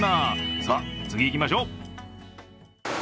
さあ、次いきましょう！